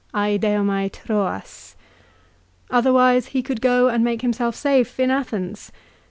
At'Seo/iat T/o<wa<?. Other wise he could go and make himself safe in Athens.